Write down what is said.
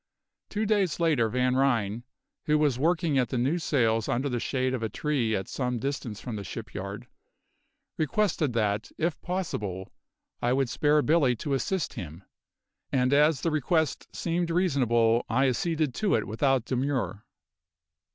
Two days later Van Ryn who was working at the new sails under the shade of a tree at some distance from the shipyard requested that, if possible, I would spare Billy to assist him; and as the request seemed reasonable I acceded to it without demur.